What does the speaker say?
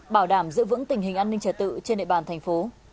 bảo đảm giữ vững tình hình an ninh trẻ tự trên địa bàn tp